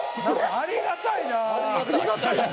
ありがたい。